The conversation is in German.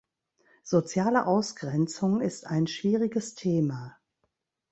Soziale Ausgrenzung ist ein schwieriges Thema.